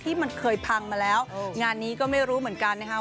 ที่มันเคยพังมาแล้วงานนี้ก็ไม่รู้เหมือนกันนะคะ